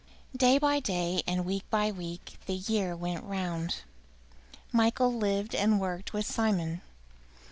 VI Day by day and week by week the year went round. Michael lived and worked with Simon.